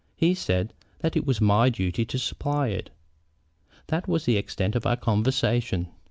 He said that it was my duty to supply it. That was the extent of our conversation."